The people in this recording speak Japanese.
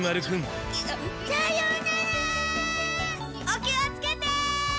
お気をつけて！